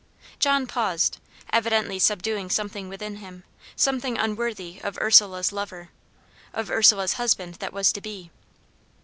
John paused, evidently subduing something within him something unworthy of Ursula's lover of Ursula's husband that was to be.